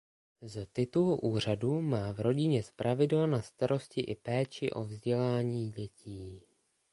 Z titulu úřadu má v rodině zpravidla na starosti i péči o vzdělání dětí.